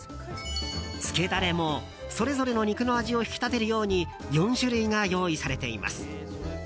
つけダレもそれぞれの肉の味を引き立てるように４種類が用意されています。